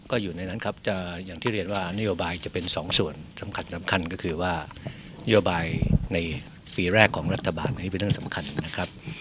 ก็อยู่ในนั้นครับจะอย่างที่เรียนว่านโยบายจะเป็นสองส่วนสำคัญสำคัญก็คือว่านโยบายในปีแรกของรัฐบาลอันนี้เป็นเรื่องสำคัญนะครับ